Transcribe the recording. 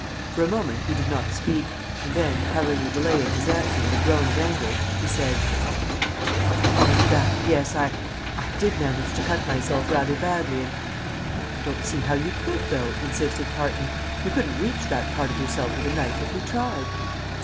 For a moment he did not speak, and then, covering the delay in his answer with a groan of anguish, he said: "Oh, that! Yes I I did manage to cut myself rather badly and " "I don't see how you could, though," insisted Parton. "You couldn't reach that part of yourself with a knife, if you tried."